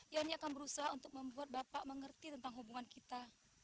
ya ini akan berusaha untuk membuat bapak mengerti tentang hubungan kita